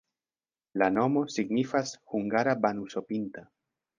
La nomo signifas hungara-banuso-pinta.